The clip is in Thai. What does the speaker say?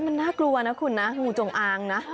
มันน่ากลัวนะคุณงูจงอัง